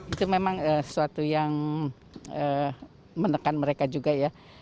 itu memang sesuatu yang menekan mereka juga ya